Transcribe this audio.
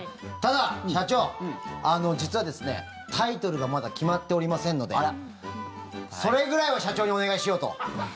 ただ社長、実はタイトルがまだ決まっておりませんのでそれぐらいは社長にお願いしようと。